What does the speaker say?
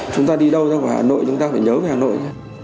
chúng ta đi đâu ra khỏi hà nội chúng ta phải nhớ về hà nội